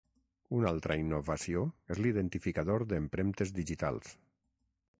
Una altra innovació és l’identificador d’empremtes digitals.